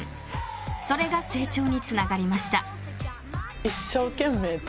［それが成長につながりました］